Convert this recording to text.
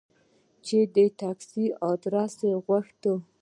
چا د تکسي آدرس غوښته.